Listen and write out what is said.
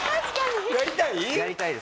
やりたい？